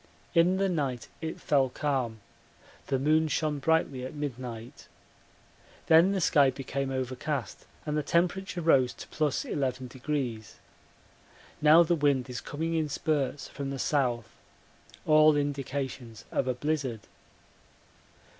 In the night it fell calm; the moon shone brightly at midnight. Then the sky became overcast and the temperature rose to +11. Now the wind is coming in spurts from the south all indications of a blizzard.